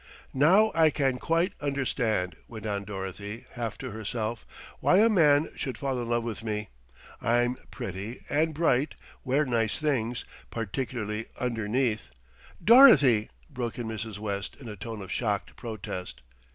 "Now I can quite understand," went on Dorothy, half to herself, "why a man should fall in love with me. I'm pretty and bright, wear nice things, particularly underneath " "Dorothy!" broke in Mrs. West in a tone of shocked protest.